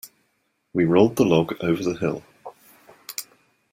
We rolled the log over the hill.